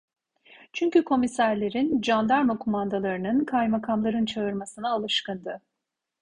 Çünkü komiserlerin, candarma kumandanlarının, kaymakamların çağırmasına alışkındı…